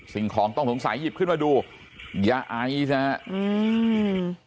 สิ่งของต้องสงสัยหยิบขึ้นมาดูยาไอซ์นะฮะอืม